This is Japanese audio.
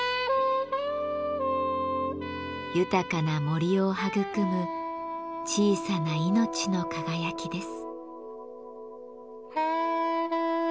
豊かな森を育む小さな命の輝きです。